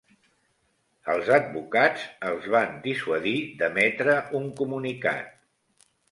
Els advocats els van dissuadir d'emetre un comunicat.